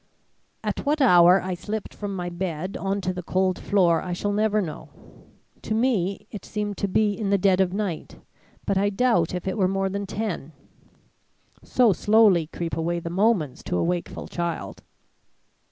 "At what hour I slipped from my bed on to the cold floor, I shall never know. To me it seemed to be in the dead of night; but I doubt if it were more than ten. So slowly creep away the moments to a wakeful child.